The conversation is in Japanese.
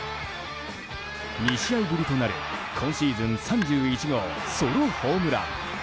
２試合ぶりとなる今シーズン３１号ソロホームラン。